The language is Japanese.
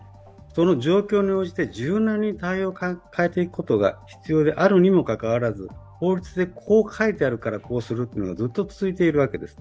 その状況に応じて柔軟に対応を変えていくことが必要であるにもかかわらず法律でこう書いてあるからこうするというのがずっと続いているわけです。